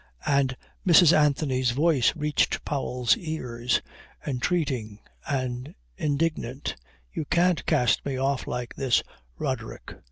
And Mrs. Anthony's voice reached Powell's ears, entreating and indignant. "You can't cast me off like this, Roderick.